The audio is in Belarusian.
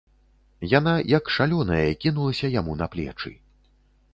Яна, як шалёная, кінулася яму на плечы.